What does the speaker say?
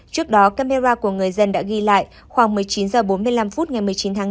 trước đó camera của người dân đã ghi lại khoảng một mươi chín h bốn mươi năm phút ngày một mươi chín tháng tám